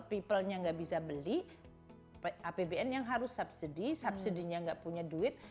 people nya nggak bisa beli apbn yang harus subsidi subsidi nya nggak punya duit